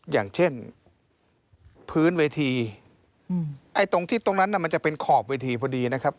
อย่างเช่นพื้นเวทีไอ้ตรงที่ตรงนั้นน่ะมันจะเป็นขอบเวทีพอดีนะครับ